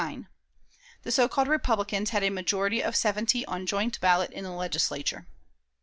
The so called Republicans had a majority of seventy on joint ballot in the Legislature.